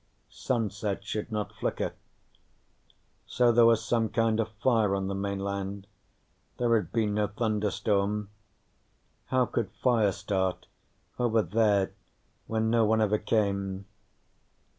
Sunset should not flicker. So there was some kind of fire on the mainland. There had been no thunderstorm. How could fire start, over there where no one ever came?